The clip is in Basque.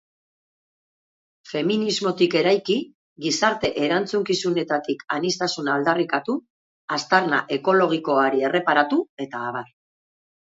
Feminismotik eraiki, gizarte erantzukizunetik aniztasuna aldarrikatu, aztarna ekologikoari erreparatu, eta abar.